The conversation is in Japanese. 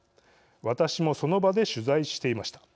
私もその場で取材していました。